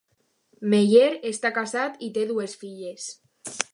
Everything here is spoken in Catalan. Meyer està casat i té dues filles.